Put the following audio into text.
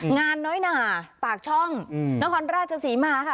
งานน้อยหน่าปากช่องอืมน้องคอนราชสีมาค่ะ